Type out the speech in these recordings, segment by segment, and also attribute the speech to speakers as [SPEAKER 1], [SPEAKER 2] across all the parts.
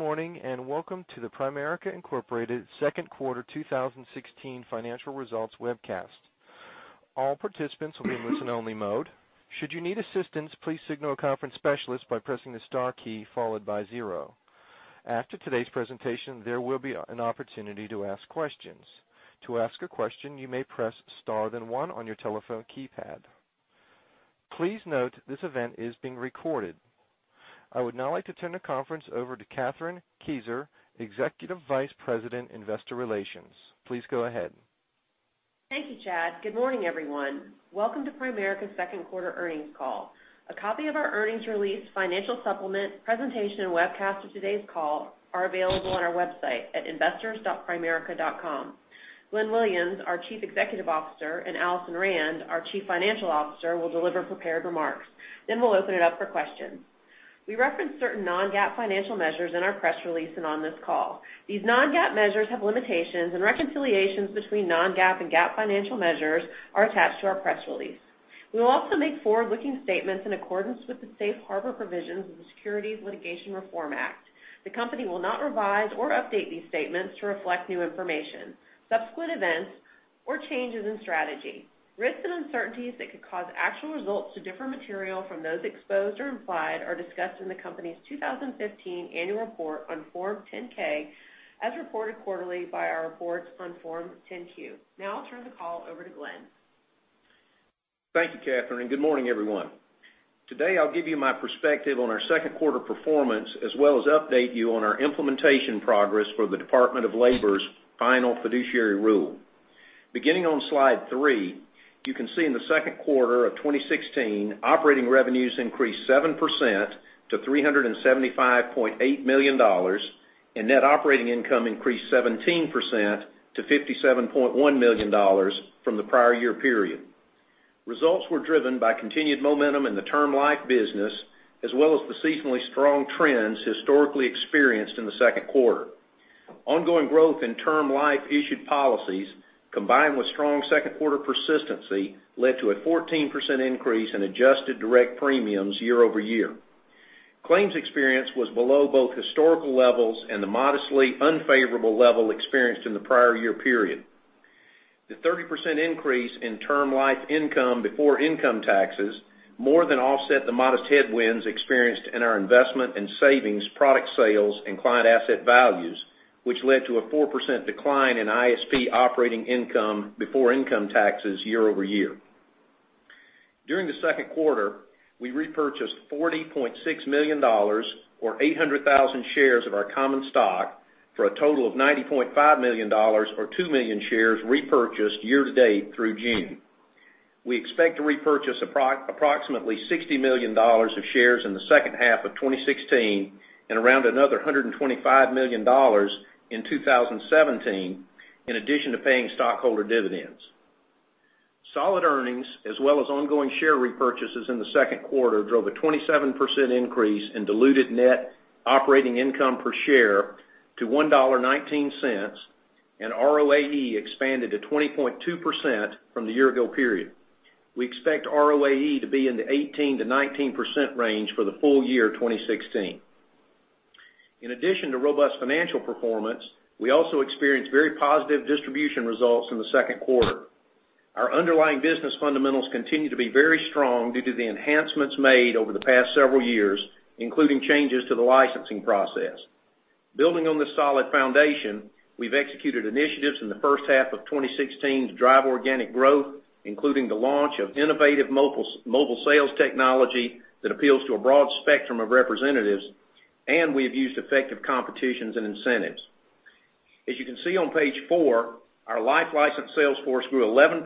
[SPEAKER 1] Good morning. Welcome to the Primerica, Inc. second quarter 2016 financial results webcast. All participants will be in listen-only mode. Should you need assistance, please signal a conference specialist by pressing the star key followed by zero. After today's presentation, there will be an opportunity to ask questions. To ask a question, you may press star then one on your telephone keypad. Please note this event is being recorded. I would now like to turn the conference over to Kathryn Kieser, Executive Vice President, Investor Relations. Please go ahead.
[SPEAKER 2] Thank you, Chad. Good morning, everyone. Welcome to Primerica's second quarter earnings call. A copy of our earnings release, financial supplement, presentation, and webcast of today's call are available on our website at investors.primerica.com. Glenn Williams, our Chief Executive Officer, and Alison Rand, our Chief Financial Officer, will deliver prepared remarks. We'll open it up for questions. We reference certain non-GAAP financial measures in our press release and on this call. These non-GAAP measures have limitations, and reconciliations between non-GAAP and GAAP financial measures are attached to our press release. We will also make forward-looking statements in accordance with the safe harbor provisions of the Securities Litigation Reform Act. The company will not revise or update these statements to reflect new information, subsequent events, or changes in strategy. Risks and uncertainties that could cause actual results to differ material from those exposed or implied are discussed in the company's 2015 annual report on Form 10-K, as reported quarterly by our reports on Form 10-Q. I'll turn the call over to Glenn.
[SPEAKER 3] Thank you, Kathryn. Good morning, everyone. I'll give you my perspective on our second quarter performance, as well as update you on our implementation progress for the Department of Labor's final fiduciary rule. Beginning on slide three, you can see in the second quarter of 2016, operating revenues increased 7% to $375.8 million, and net operating income increased 17% to $57.1 million from the prior year period. Results were driven by continued momentum in the term life business, as well as the seasonally strong trends historically experienced in the second quarter. Ongoing growth in term life issued policies, combined with strong second quarter persistency, led to a 14% increase in adjusted direct premiums year-over-year. Claims experience was below both historical levels and the modestly unfavorable level experienced in the prior year period. The 30% increase in Term Life income before income taxes more than offset the modest headwinds experienced in our Investment and Savings Products sales and client asset values, which led to a 4% decline in ISP operating income before income taxes year-over-year. During the second quarter, we repurchased $40.6 million, or 800,000 shares of our common stock, for a total of $90.5 million or 2 million shares repurchased year-to-date through June. We expect to repurchase approximately $60 million of shares in the second half of 2016 and around another $125 million in 2017, in addition to paying stockholder dividends. Solid earnings as well as ongoing share repurchases in the second quarter drove a 27% increase in diluted net operating income per share to $1.19, and ROAE expanded to 20.2% from the year-ago period. We expect ROAE to be in the 18%-19% range for the full year 2016. In addition to robust financial performance, we also experienced very positive distribution results in the second quarter. Our underlying business fundamentals continue to be very strong due to the enhancements made over the past several years, including changes to the licensing process. Building on this solid foundation, we've executed initiatives in the first half of 2016 to drive organic growth, including the launch of innovative mobile sales technology that appeals to a broad spectrum of representatives, and we have used effective competitions and incentives. As you can see on page four, our life license sales force grew 11%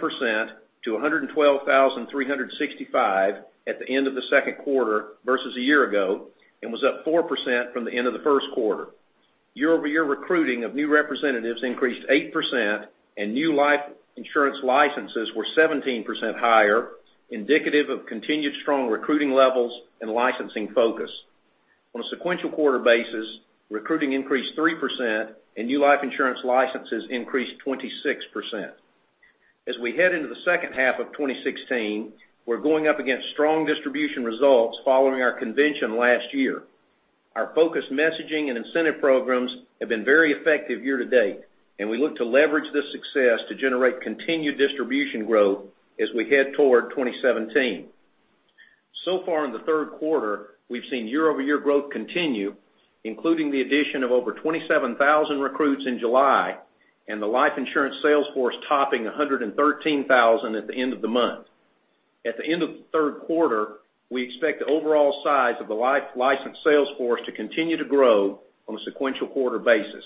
[SPEAKER 3] to 112,365 at the end of the second quarter versus a year ago and was up 4% from the end of the first quarter. Year-over-year recruiting of new representatives increased 8%, and new life insurance licenses were 17% higher, indicative of continued strong recruiting levels and licensing focus. On a sequential quarter basis, recruiting increased 3%, and new life insurance licenses increased 26%. As we head into the second half of 2016, we're going up against strong distribution results following our convention last year. Our focused messaging and incentive programs have been very effective year-to-date, and we look to leverage this success to generate continued distribution growth as we head toward 2017. So far in the third quarter, we've seen year-over-year growth continue, including the addition of over 27,000 recruits in July and the life insurance sales force topping 113,000 at the end of the month. At the end of the third quarter, we expect the overall size of the life license sales force to continue to grow on a sequential quarter basis.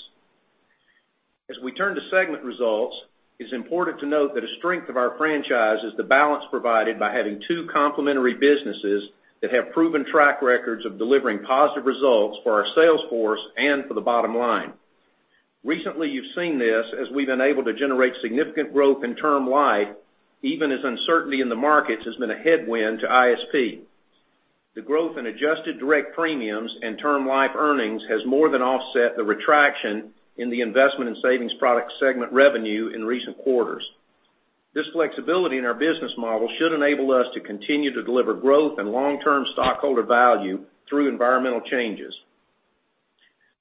[SPEAKER 3] As we turn to segment results, it's important to note that a strength of our franchise is the balance provided by having two complementary businesses that have proven track records of delivering positive results for our sales force and for the bottom line. Recently, you've seen this as we've been able to generate significant growth in Term Life, even as uncertainty in the markets has been a headwind to ISP. The growth in adjusted direct premiums and Term Life earnings has more than offset the retraction in the Investment and Savings Products segment revenue in recent quarters. This flexibility in our business model should enable us to continue to deliver growth and long-term stockholder value through environmental changes.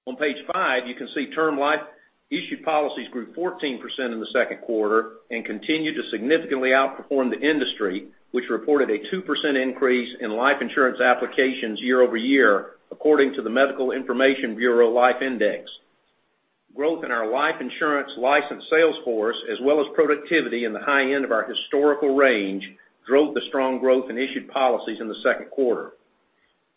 [SPEAKER 3] On page five, you can see Term Life issued policies grew 14% in the second quarter and continue to significantly outperform the industry, which reported a 2% increase in life insurance applications year-over-year, according to the Medical Information Bureau Life Index. Growth in our life insurance licensed sales force, as well as productivity in the high end of our historical range, drove the strong growth in issued policies in the second quarter.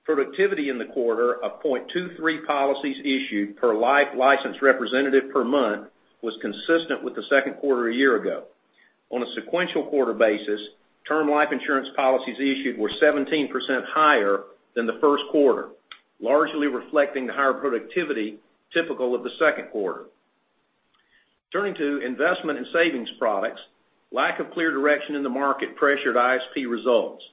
[SPEAKER 3] Productivity in the quarter of 0.23 policies issued per life licensed representative per month was consistent with the second quarter a year ago. On a sequential quarter basis, Term Life insurance policies issued were 17% higher than the first quarter, largely reflecting the higher productivity typical of the second quarter. Turning to Investment and Savings Products, lack of clear direction in the market pressured ISP results.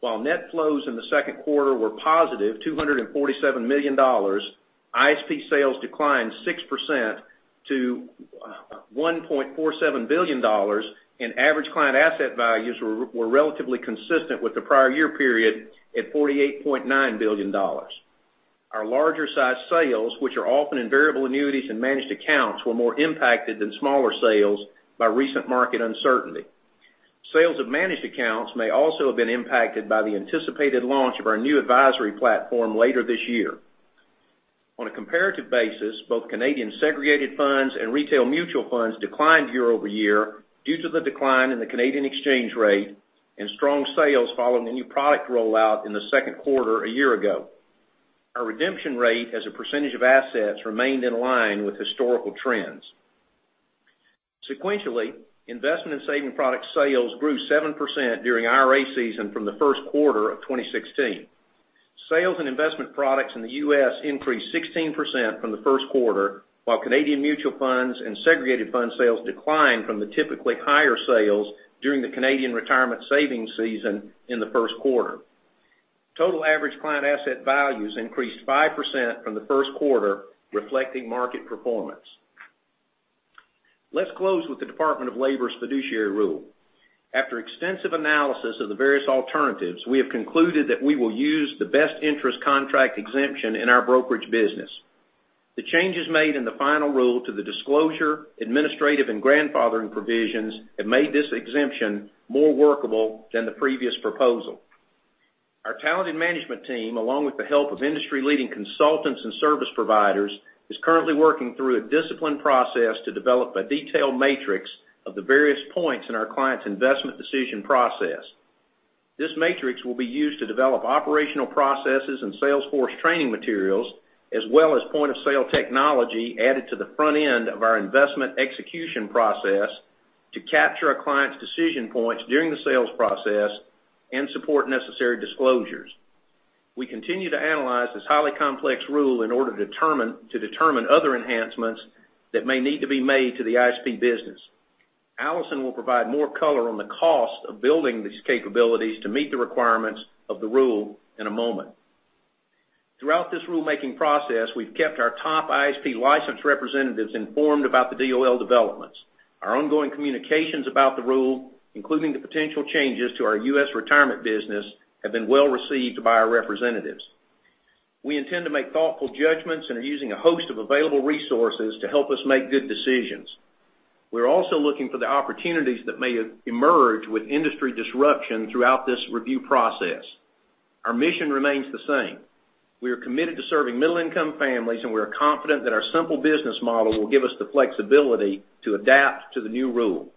[SPEAKER 3] While net flows in the second quarter were positive, $247 million, ISP sales declined 6% to $1.47 billion, and average client asset values were relatively consistent with the prior year period at $48.9 billion. Our larger size sales, which are often in Variable Annuities and Managed Accounts, were more impacted than smaller sales by recent market uncertainty. Sales of Managed Accounts may also have been impacted by the anticipated launch of our new advisory platform later this year. On a comparative basis, both Canadian Segregated Funds and retail Mutual Funds declined year-over-year due to the decline in the Canadian exchange rate and strong sales following the new product rollout in the second quarter a year ago. Our redemption rate as a percentage of assets remained in line with historical trends. Sequentially, investment and saving product sales grew 7% during IRA season from the first quarter of 2016. Sales and investment products in the U.S. increased 16% from the first quarter, while Canadian Mutual Funds and Segregated Fund sales declined from the typically higher sales during the Canadian retirement savings season in the first quarter. Total average client asset values increased 5% from the first quarter, reflecting market performance. Let's close with the Department of Labor's fiduciary rule. After extensive analysis of the various alternatives, we have concluded that we will use the Best Interest Contract Exemption in our brokerage business. The changes made in the final rule to the disclosure, administrative, and grandfathering provisions have made this exemption more workable than the previous proposal. Our talented management team, along with the help of industry-leading consultants and service providers, is currently working through a disciplined process to develop a detailed matrix of the various points in our clients' investment decision process. This matrix will be used to develop operational processes and sales force training materials, as well as point-of-sale technology added to the front end of our investment execution process to capture a client's decision points during the sales process and support necessary disclosures. We continue to analyze this highly complex rule in order to determine other enhancements that may need to be made to the ISP business. Alison will provide more color on the cost of building these capabilities to meet the requirements of the rule in a moment. Throughout this rulemaking process, we've kept our top ISP licensed representatives informed about the DOL developments. Our ongoing communications about the rule, including the potential changes to our U.S. retirement business, have been well received by our representatives. We intend to make thoughtful judgments and are using a host of available resources to help us make good decisions. We're also looking for the opportunities that may emerge with industry disruption throughout this review process. Our mission remains the same. We are committed to serving middle-income families, and we are confident that our simple business model will give us the flexibility to adapt to the new rule.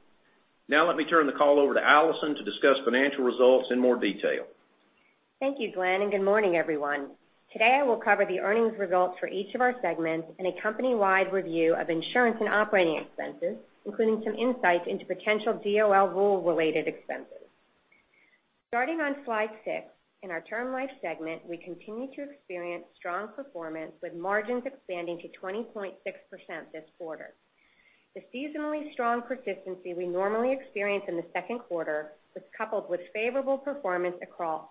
[SPEAKER 3] Now let me turn the call over to Alison to discuss financial results in more detail.
[SPEAKER 4] Thank you, Glenn, and good morning, everyone. Today, I will cover the earnings results for each of our segments and a company-wide review of insurance and operating expenses, including some insights into potential DOL rule-related expenses. Starting on slide six, in our term life segment, we continued to experience strong performance with margins expanding to 20.6% this quarter. The seasonally strong persistency we normally experience in the second quarter was coupled with favorable performance across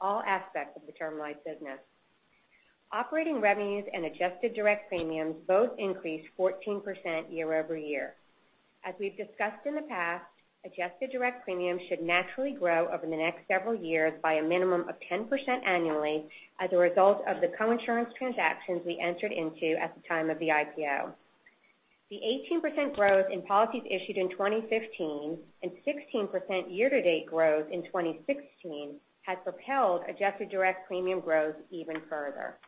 [SPEAKER 4] all aspects of the term life business. Operating revenues and adjusted direct premiums both increased 14% year-over-year. As we've discussed in the past, adjusted direct premiums should naturally grow over the next several years by a minimum of 10% annually as a result of the co-insurance transactions we entered into at the time of the IPO. The 18% growth in policies issued in 2015 and 16% year-to-date growth in 2016 has propelled adjusted direct premium growth even further.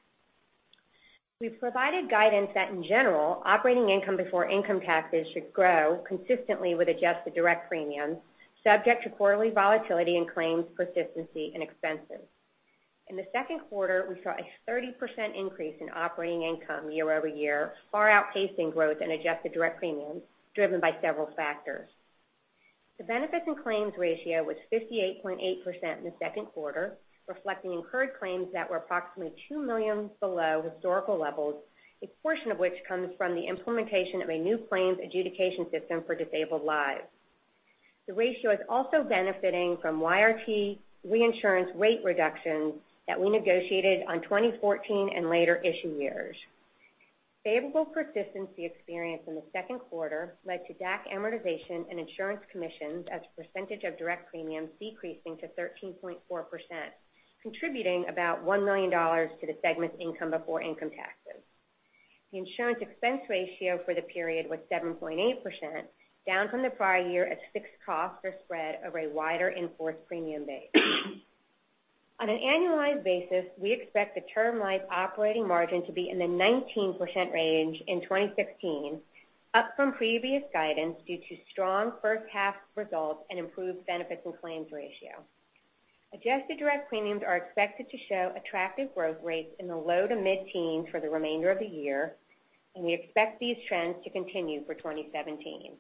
[SPEAKER 4] We've provided guidance that, in general, operating income before income taxes should grow consistently with adjusted direct premiums, subject to quarterly volatility in claims persistency and expenses. In the second quarter, we saw a 30% increase in operating income year-over-year, far outpacing growth in adjusted direct premiums, driven by several factors. The benefits and claims ratio was 58.8% in the second quarter, reflecting incurred claims that were approximately $2 million below historical levels, a portion of which comes from the implementation of a new claims adjudication system for disabled lives. The ratio is also benefiting from YRT reinsurance rate reductions that we negotiated on 2014 and later issue years. Favorable persistency experience in the second quarter led to DAC amortization and insurance commissions as a percentage of direct premiums decreasing to 13.4%, contributing about $1 million to the segment's income before income taxes. The insurance expense ratio for the period was 7.8%, down from the prior year as fixed costs are spread over a wider in-force premium base. On an annualized basis, we expect the term life operating margin to be in the 19% range in 2016, up from previous guidance due to strong first half results and improved benefits and claims ratio. Adjusted direct premiums are expected to show attractive growth rates in the low to mid-teens for the remainder of the year, and we expect these trends to continue for 2017.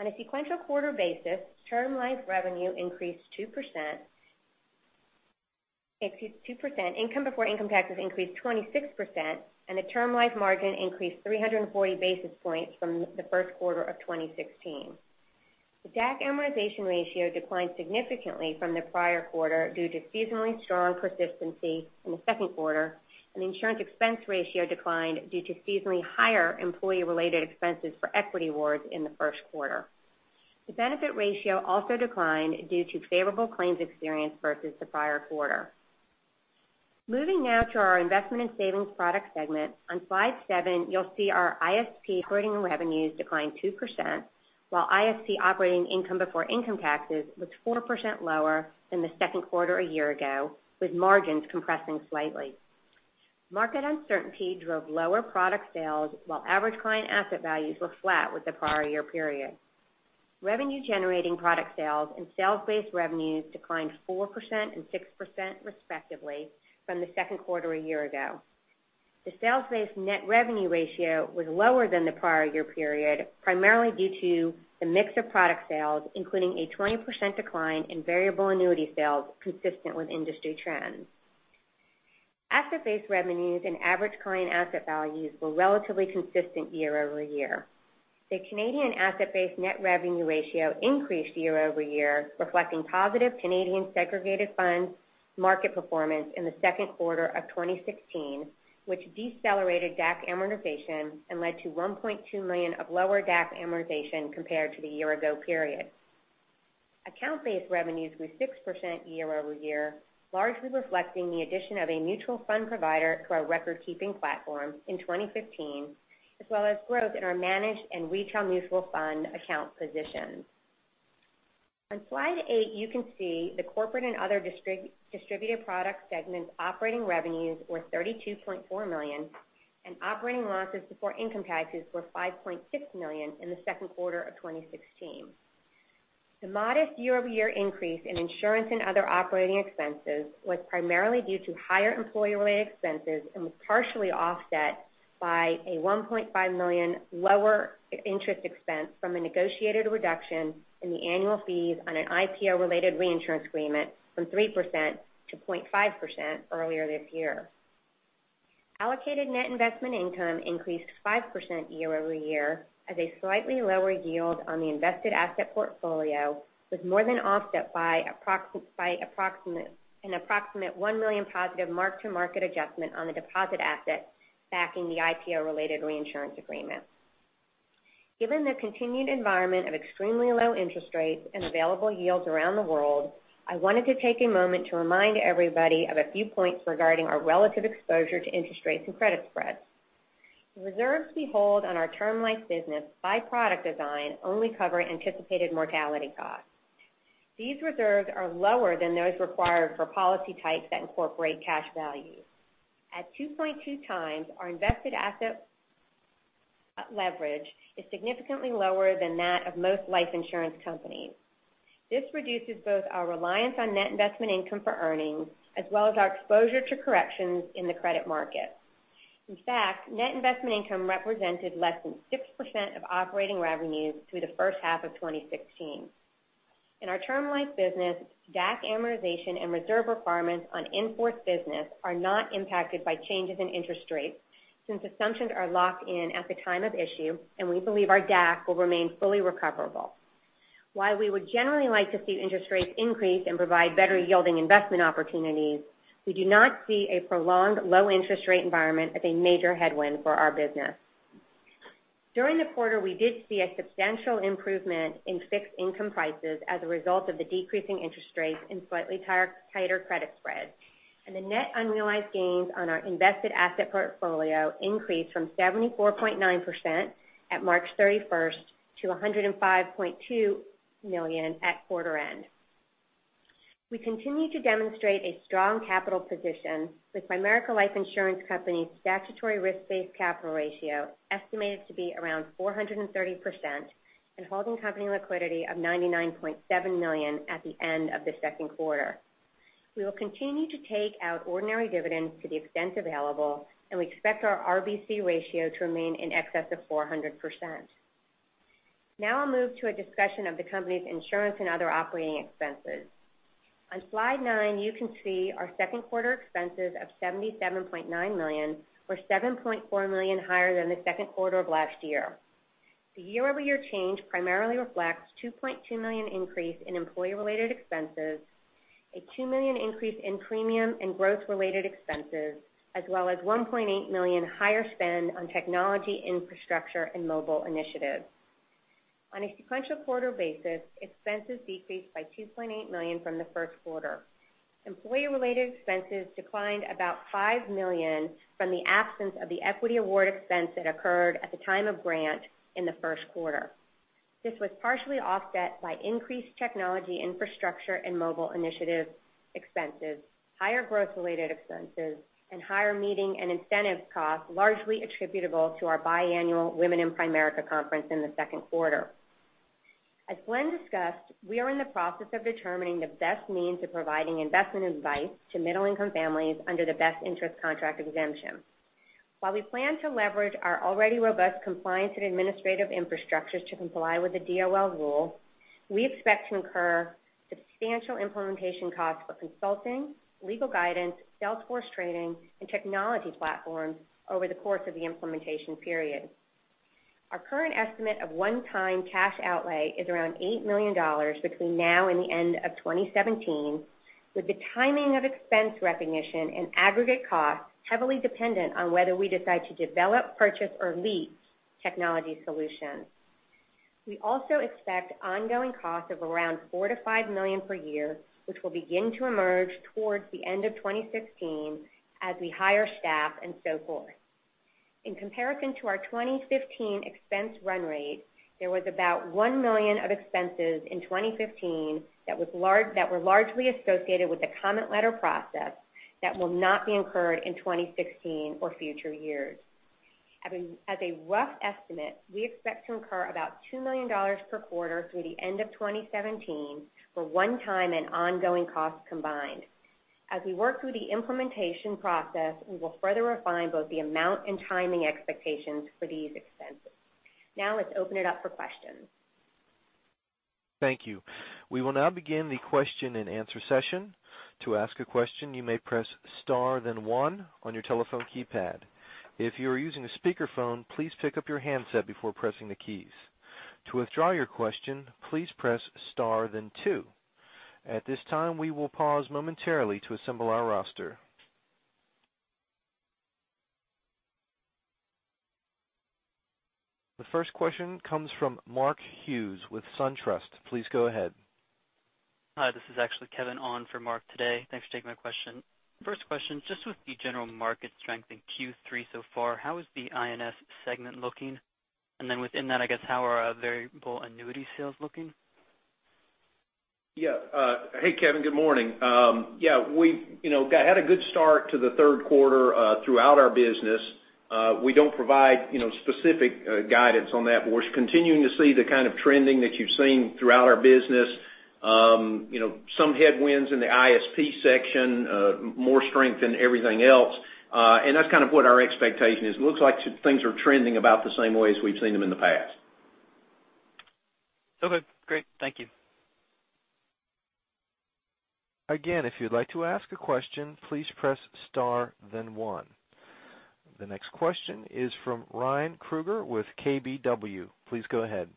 [SPEAKER 4] On a sequential quarter basis, Term Life revenue increased 2%, income before income taxes increased 26%, and the Term Life margin increased 340 basis points from the first quarter of 2016. The DAC amortization ratio declined significantly from the prior quarter due to seasonally strong persistency in the second quarter, and the insurance expense ratio declined due to seasonally higher employee-related expenses for equity awards in the first quarter. The benefit ratio also declined due to favorable claims experience versus the prior quarter. Moving now to our Investment & Savings Products segment. On slide seven, you'll see our ISP operating revenues declined 2%, while ISP operating income before income taxes was 4% lower than the second quarter a year ago, with margins compressing slightly. Market uncertainty drove lower product sales, while average client asset values were flat with the prior year period. Revenue-generating product sales and sales-based revenues declined 4% and 6% respectively from the second quarter a year ago. The sales-based net revenue ratio was lower than the prior year period, primarily due to the mix of product sales, including a 20% decline in Variable Annuity sales consistent with industry trends. Asset-based revenues and average client asset values were relatively consistent year over year. The Canadian asset-based net revenue ratio increased year over year, reflecting positive Canadian Segregated Funds market performance in the second quarter of 2016, which decelerated DAC amortization and led to $1.2 million of lower DAC amortization compared to the year ago period. Account-based revenues grew 6% year over year, largely reflecting the addition of a Mutual Fund provider to our record-keeping platform in 2015, as well as growth in our Managed and retail Mutual Fund account positions. On slide eight, you can see the Corporate and Other Distributed Products segment's operating revenues were $32.4 million, and operating losses before income taxes were $5.6 million in the second quarter of 2016. The modest year-over-year increase in insurance and other operating expenses was primarily due to higher employee-related expenses and was partially offset by a $1.5 million lower interest expense from a negotiated reduction in the annual fees on an IPO-related reinsurance agreement from 3% to 0.5% earlier this year. Allocated net investment income increased 5% year over year as a slightly lower yield on the invested asset portfolio was more than offset by an approximate $1 million positive mark-to-market adjustment on the deposit assets backing the IPO-related reinsurance agreement. Given the continued environment of extremely low interest rates and available yields around the world, I wanted to take a moment to remind everybody of a few points regarding our relative exposure to interest rates and credit spreads. The reserves we hold on our Term Life business, by product design, only cover anticipated mortality costs. These reserves are lower than those required for policy types that incorporate cash value. At 2.2 times, our invested asset leverage is significantly lower than that of most life insurance companies. This reduces both our reliance on net investment income for earnings, as well as our exposure to corrections in the credit market. In fact, net investment income represented less than 6% of operating revenues through the first half of 2016. In our Term Life business, DAC amortization and reserve requirements on in-force business are not impacted by changes in interest rates since assumptions are locked in at the time of issue, and we believe our DAC will remain fully recoverable. While we would generally like to see interest rates increase and provide better yielding investment opportunities, we do not see a prolonged low interest rate environment as a major headwind for our business. During the quarter, we did see a substantial improvement in fixed income prices as a result of the decreasing interest rates and slightly tighter credit spreads, and the net unrealized gains on our invested asset portfolio increased from 74.9% at March 31st to $105.2 million at quarter end. We continue to demonstrate a strong capital position with Primerica Life Insurance Company's statutory risk-based capital ratio estimated to be around 430% and holding company liquidity of $99.7 million at the end of the second quarter. We will continue to take out ordinary dividends to the extent available, and we expect our RBC ratio to remain in excess of 400%. I'll move to a discussion of the company's insurance and other operating expenses. On slide nine, you can see our second quarter expenses of $77.9 million were $7.4 million higher than the second quarter of last year. The year-over-year change primarily reflects a $2.2 million increase in employee-related expenses, a $2 million increase in premium and growth-related expenses, as well as $1.8 million higher spend on technology infrastructure and mobile initiatives. On a sequential quarter basis, expenses decreased by $2.8 million from the first quarter. Employee-related expenses declined about $5 million from the absence of the equity award expense that occurred at the time of grant in the first quarter. This was partially offset by increased technology infrastructure and mobile initiative expenses, higher growth-related expenses, and higher meeting and incentive costs, largely attributable to our biannual Women in Primerica conference in the second quarter. As Glenn discussed, we are in the process of determining the best means of providing investment advice to middle-income families under the Best Interest Contract Exemption. While we plan to leverage our already robust compliance and administrative infrastructures to comply with the DOL rule, we expect to incur substantial implementation costs for consulting, legal guidance, sales force training, and technology platforms over the course of the implementation period. Our current estimate of one-time cash outlay is around $8 million between now and the end of 2017, with the timing of expense recognition and aggregate costs heavily dependent on whether we decide to develop, purchase, or lease technology solutions. We also expect ongoing costs of around $4 million to $5 million per year, which will begin to emerge towards the end of 2016 as we hire staff and so forth. In comparison to our 2015 expense run rate, there was about $1 million of expenses in 2015 that were largely associated with the comment letter process that will not be incurred in 2016 or future years. As a rough estimate, we expect to incur about $2 million per quarter through the end of 2017 for one-time and ongoing costs combined. As we work through the implementation process, we will further refine both the amount and timing expectations for these expenses. Let's open it up for questions.
[SPEAKER 1] Thank you. We will now begin the question and answer session. To ask a question, you may press star then 1 on your telephone keypad. If you are using a speakerphone, please pick up your handset before pressing the keys. To withdraw your question, please press star then 2. At this time, we will pause momentarily to assemble our roster. The first question comes from Mark Hughes with SunTrust. Please go ahead.
[SPEAKER 5] Hi, this is actually Kevin on for Mark today. Thanks for taking my question. First question, just with the general market strength in Q3 so far, how is the ISP segment looking? Within that, I guess, how are our Variable Annuity sales looking?
[SPEAKER 3] Yeah. Hey, Kevin. Good morning. Yeah, we had a good start to the third quarter throughout our business. We don't provide specific guidance on that, but we're continuing to see the kind of trending that you've seen throughout our business. Some headwinds in the ISP section, more strength in everything else. That's kind of what our expectation is. Looks like things are trending about the same way as we've seen them in the past.
[SPEAKER 5] Okay, great. Thank you.
[SPEAKER 1] Again, if you'd like to ask a question, please press star then one. The next question is from Ryan Krueger with KBW. Please go ahead.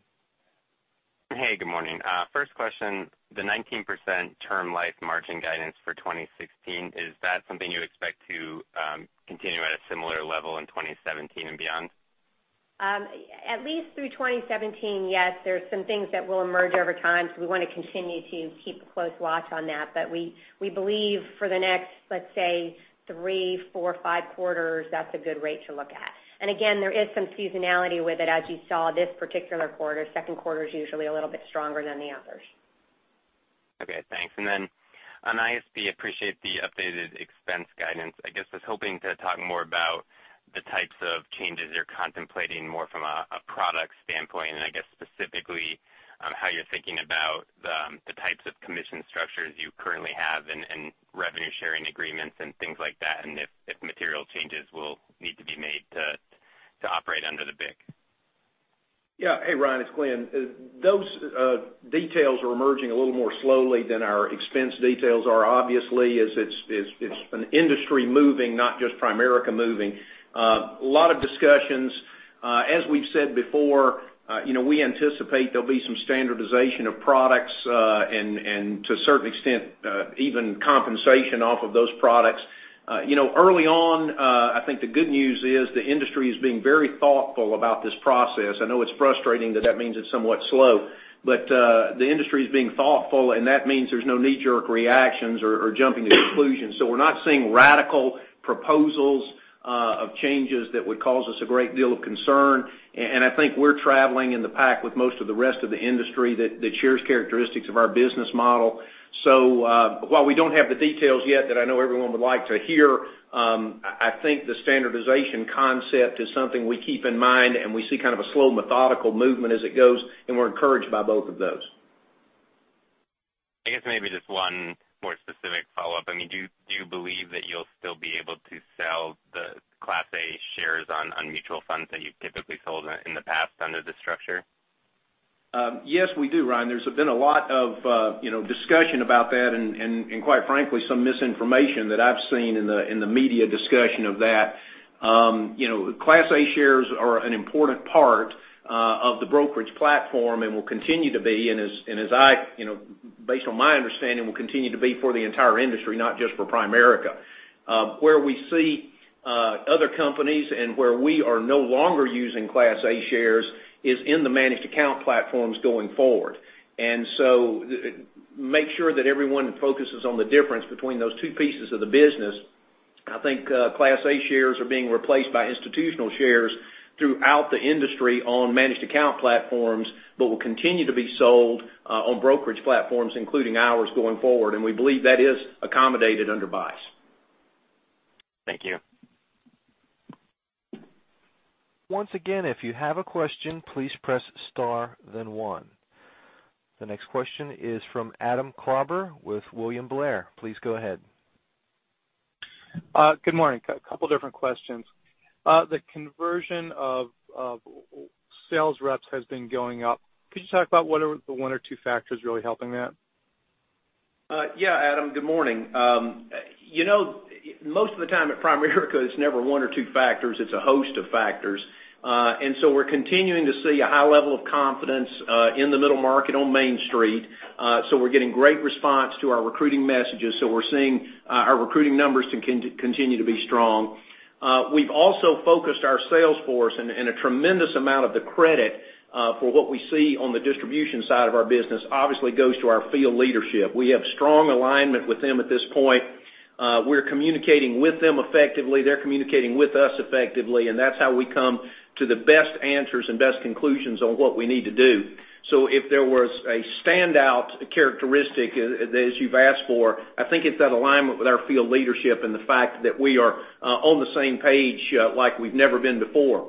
[SPEAKER 6] Hey, good morning. First question, the 19% term life margin guidance for 2016, is that something you expect to continue at a similar level in 2017 and beyond?
[SPEAKER 4] At least through 2017, yes. There's some things that will emerge over time. We want to continue to keep a close watch on that. We believe for the next, let's say, three, four, five quarters, that's a good rate to look at. Again, there is some seasonality with it, as you saw this particular quarter. Second quarter is usually a little bit stronger than the others.
[SPEAKER 6] Okay, thanks. On ISP, appreciate the updated expense guidance. Was hoping to talk more about the types of changes you're contemplating more from a product standpoint, and specifically on how you're thinking about the types of commission structures you currently have and revenue-sharing agreements and things like that, and if material changes will need to be made to operate under the BIC.
[SPEAKER 3] Yeah. Hey, Ryan, it's Glenn. Those details are emerging a little more slowly than our expense details are. Obviously, as it's an industry moving, not just Primerica moving. A lot of discussions. As we've said before, we anticipate there'll be some standardization of products and to a certain extent, even compensation off of those products. Early on, I think the good news is the industry is being very thoughtful about this process. I know it's frustrating that that means it's somewhat slow, but the industry is being thoughtful, and that means there's no knee-jerk reactions or jumping to conclusions. We're not seeing radical proposals of changes that would cause us a great deal of concern, and I think we're traveling in the pack with most of the rest of the industry that shares characteristics of our business model. While we don't have the details yet that I know everyone would like to hear, I think the standardization concept is something we keep in mind, and we see kind of a slow, methodical movement as it goes, and we're encouraged by both of those.
[SPEAKER 6] Maybe just one more specific follow-up. Do you believe that you'll still be able to sell the Class A shares on Mutual Funds that you've typically sold in the past under this structure?
[SPEAKER 3] Yes, we do, Ryan. There's been a lot of discussion about that, and quite frankly, some misinformation that I've seen in the media discussion of that. Class A shares are an important part of the brokerage platform and will continue to be, and based on my understanding, will continue to be for the entire industry, not just for Primerica. Where we see other companies and where we are no longer using Class A shares is in the managed account platforms going forward. Make sure that everyone focuses on the difference between those two pieces of the business. I think Class A shares are being replaced by institutional shares throughout the industry on managed account platforms, but will continue to be sold on brokerage platforms, including ours, going forward. We believe that is accommodated under BICE.
[SPEAKER 6] Thank you.
[SPEAKER 1] Once again, if you have a question, please press star then one. The next question is from Adam Klauber with William Blair. Please go ahead.
[SPEAKER 7] Good morning. A couple different questions. The conversion of sales reps has been going up. Could you talk about what are the one or two factors really helping that?
[SPEAKER 3] Adam. Good morning. Most of the time at Primerica, it's never one or two factors. It's a host of factors. We're continuing to see a high level of confidence in the middle market on Main Street. We're getting great response to our recruiting messages. We're seeing our recruiting numbers continue to be strong. We've also focused our sales force and a tremendous amount of the credit for what we see on the distribution side of our business obviously goes to our field leadership. We have strong alignment with them at this point. We're communicating with them effectively. They're communicating with us effectively, and that's how we come to the best answers and best conclusions on what we need to do. If there was a standout characteristic as you've asked for, I think it's that alignment with our field leadership and the fact that we are on the same page like we've never been before.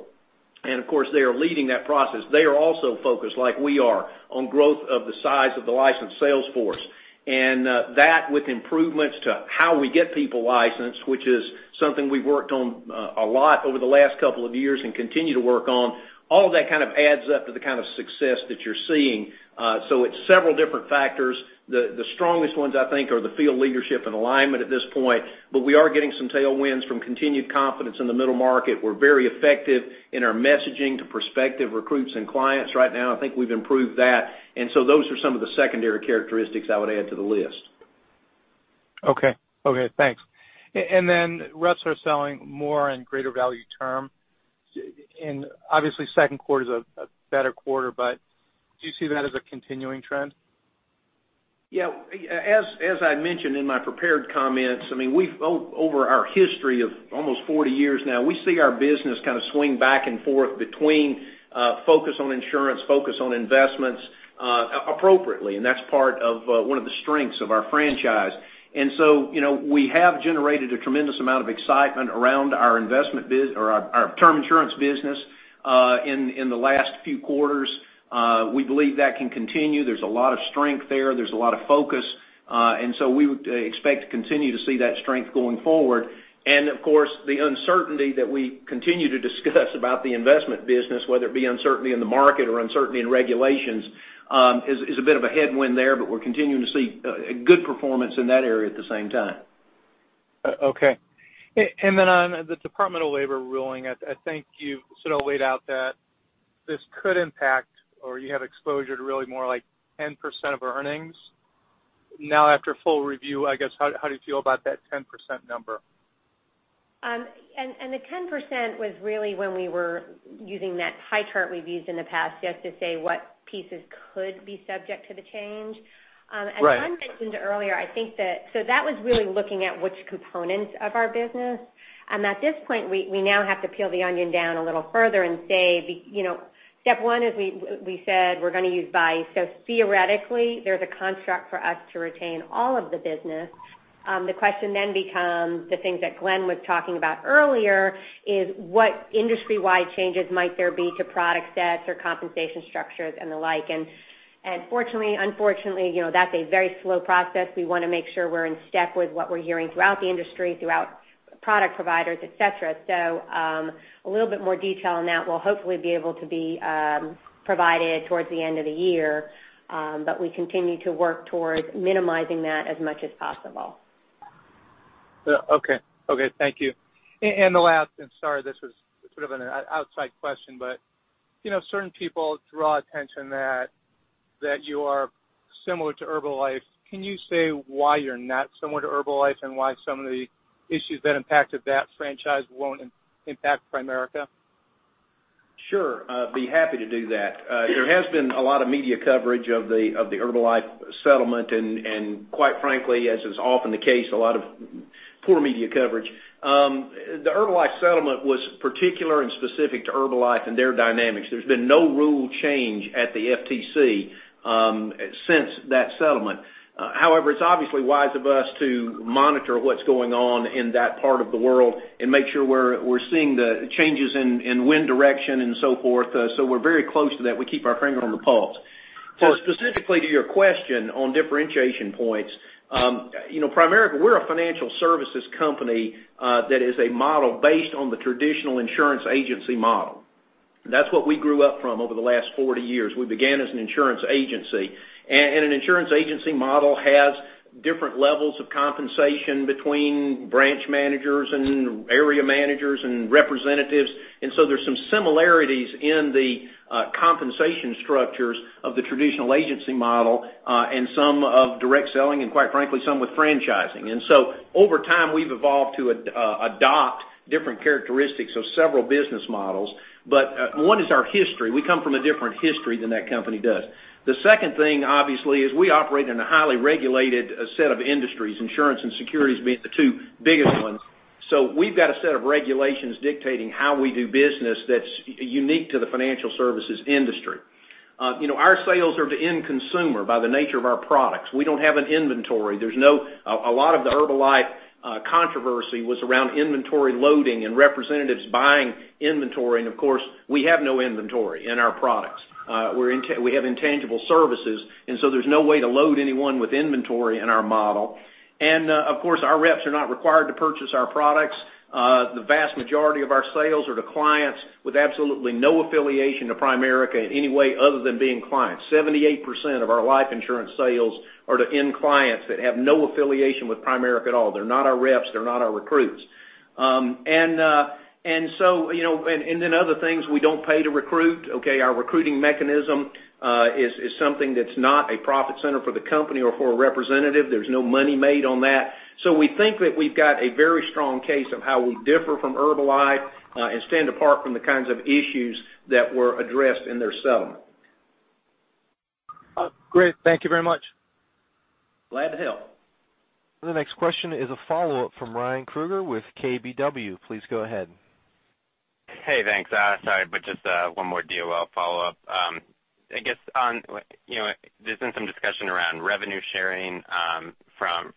[SPEAKER 3] Of course, they are leading that process. They are also focused, like we are, on growth of the size of the licensed sales force. That, with improvements to how we get people licensed, which is something we've worked on a lot over the last couple of years and continue to work on, all of that kind of adds up to the kind of success that you're seeing. It's several different factors. The strongest ones, I think, are the field leadership and alignment at this point, but we are getting some tailwinds from continued confidence in the middle market. We're very effective in our messaging to prospective recruits and clients right now. I think we've improved that. Those are some of the secondary characteristics I would add to the list.
[SPEAKER 7] Okay. Thanks. Reps are selling more in greater value Term, and obviously, second quarter is a better quarter. Do you see that as a continuing trend?
[SPEAKER 3] Yeah. As I mentioned in my prepared comments, over our history of almost 40 years now, we see our business kind of swing back and forth between focus on insurance, focus on investments appropriately, and that's part of one of the strengths of our franchise. We have generated a tremendous amount of excitement around our term insurance business in the last few quarters. We believe that can continue. There's a lot of strength there. There's a lot of focus. We would expect to continue to see that strength going forward. The uncertainty that we continue to discuss about the investment business, whether it be uncertainty in the market or uncertainty in regulations, is a bit of a headwind there, but we're continuing to see good performance in that area at the same time.
[SPEAKER 7] Okay. On the Department of Labor ruling, I think you sort of laid out that this could impact, or you have exposure to really more like 10% of earnings. Now after full review, I guess, how do you feel about that 10% number?
[SPEAKER 4] The 10% was really when we were using that pie chart we've used in the past just to say what pieces could be subject to the change.
[SPEAKER 7] Right.
[SPEAKER 4] As Glenn mentioned earlier, that was really looking at which components of our business. At this point, we now have to peel the onion down a little further and say, step one, as we said, we're going to use BICE. Theoretically, there's a construct for us to retain all of the business. The question then becomes the things that Glenn was talking about earlier, is what industry-wide changes might there be to product sets or compensation structures and the like. Fortunately, unfortunately, that's a very slow process. We want to make sure we're in step with what we're hearing throughout the industry, throughout product providers, et cetera. A little bit more detail on that will hopefully be able to be provided towards the end of the year, but we continue to work towards minimizing that as much as possible.
[SPEAKER 7] Okay. Thank you. The last, and sorry, this was sort of an outside question, certain people draw attention that you are similar to Herbalife. Can you say why you're not similar to Herbalife and why some of the issues that impacted that franchise won't impact Primerica?
[SPEAKER 3] Sure. I'd be happy to do that. There has been a lot of media coverage of the Herbalife settlement, quite frankly, as is often the case, a lot of poor media coverage. The Herbalife settlement was particular and specific to Herbalife and their dynamics. There's been no rule change at the FTC since that settlement. However, it's obviously wise of us to monitor what's going on in that part of the world and make sure we're seeing the changes in wind direction and so forth. We're very close to that. We keep our finger on the pulse. Specifically to your question on differentiation points, Primerica, we're a financial services company that is a model based on the traditional insurance agency model. That's what we grew up from over the last 40 years. We began as an insurance agency. An insurance agency model has different levels of compensation between branch managers and area managers and representatives. There's some similarities in the compensation structures of the traditional agency model, and some of direct selling, quite frankly, some with franchising. Over time, we've evolved to adopt different characteristics of several business models. One is our history. We come from a different history than that company does. The second thing, obviously, is we operate in a highly regulated set of industries, insurance and securities being the two biggest ones. We've got a set of regulations dictating how we do business that's unique to the financial services industry. Our sales are to end consumer by the nature of our products. We don't have an inventory. A lot of the Herbalife controversy was around inventory loading and representatives buying inventory, of course, we have no inventory in our products. We have intangible services, there's no way to load anyone with inventory in our model. Of course, our reps are not required to purchase our products. The vast majority of our sales are to clients with absolutely no affiliation to Primerica in any way other than being clients. 78% of our life insurance sales are to end clients that have no affiliation with Primerica at all. They're not our reps. They're not our recruits. Other things, we don't pay to recruit, okay? Our recruiting mechanism is something that's not a profit center for the company or for a representative. There's no money made on that. We think that we've got a very strong case of how we differ from Herbalife, and stand apart from the kinds of issues that were addressed in their settlement.
[SPEAKER 7] Great. Thank you very much.
[SPEAKER 3] Glad to help.
[SPEAKER 1] The next question is a follow-up from Ryan Krueger with KBW. Please go ahead.
[SPEAKER 6] Hey, thanks. Sorry, just one more DOL follow-up. I guess, there's been some discussion around revenue sharing from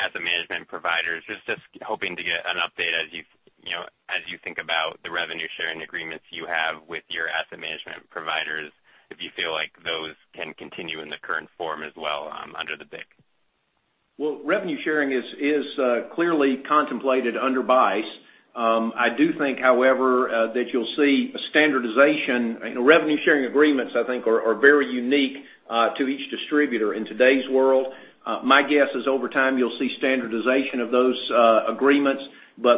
[SPEAKER 6] asset management providers. Just hoping to get an update as you think about the revenue sharing agreements you have with your asset management providers, if you feel like those can continue in the current form as well under the BIC.
[SPEAKER 3] Well, revenue sharing is clearly contemplated under BICE. I do think, however, that you'll see a standardization. Revenue sharing agreements, I think, are very unique to each distributor in today's world. My guess is over time you'll see standardization of those agreements,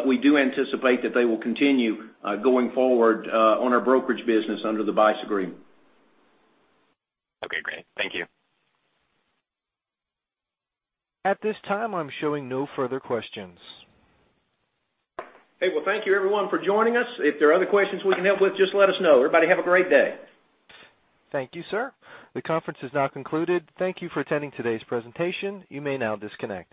[SPEAKER 3] we do anticipate that they will continue going forward on our brokerage business under the BICE agreement.
[SPEAKER 6] Okay, great. Thank you.
[SPEAKER 1] At this time, I'm showing no further questions.
[SPEAKER 3] Hey, well, thank you everyone for joining us. If there are other questions we can help with, just let us know. Everybody have a great day.
[SPEAKER 1] Thank you, sir. The conference is now concluded. Thank you for attending today's presentation. You may now disconnect.